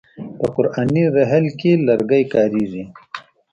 په قرآني رحل کې لرګی کاریږي.